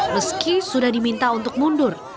meski sudah diminta untuk mundur